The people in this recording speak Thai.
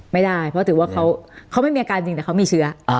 ไม่ได้เพราะถือว่าเขาไม่มีอาการจริงแต่เขามีเชื้อ